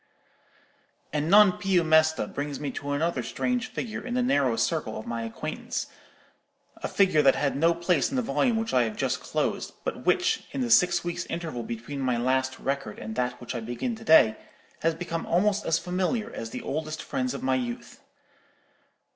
"And 'Non più mesta' brings me to another strange figure in the narrow circle of my acquaintance; a figure that had no place in the volume which I have just closed, but which, in the six weeks' interval between my last record and that which I begin to day, has become almost as familiar as the oldest friends of my youth.